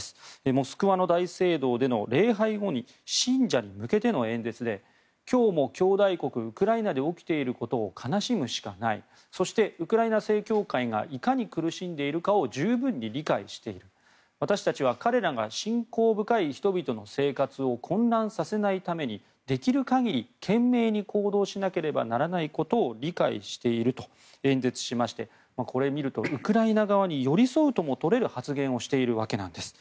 モスクワの大聖堂での礼拝後に信者に向けての演説で今日も兄弟国ウクライナで起きていることを悲しむしかないそして、ウクライナ正教会がいかに苦しんでいるかを十分に理解している私たちは彼らが信仰深い人々の生活を混乱させないためにできる限り懸命に行動しなければならないことを理解していると演説しましてこれを見るとウクライナ側に寄り添うとも見れる発言をしているわけなんです。